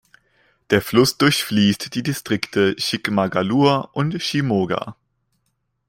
Der Fluss durchfließt die Distrikte Chikmagalur und Shimoga.